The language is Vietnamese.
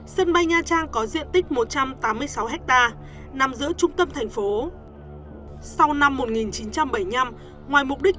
sân bay nha trang có diện tích một trăm tám mươi sáu ha nằm giữa trung tâm thành phố sau năm một nghìn chín trăm bảy mươi năm ngoài mục đích